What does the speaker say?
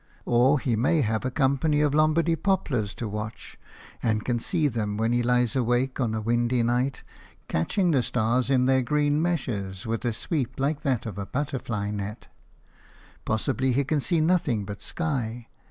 Or he may have a company of Lombardy poplars to watch, and can see them, when he lies awake on a windy night, catching the stars in their green meshes with a sweep like that of a butterfly net. Possibly he can see nothing but sky.